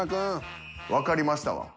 「わかりました」は？